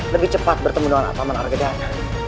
lebih cepat bertemu dengan ataman harga dana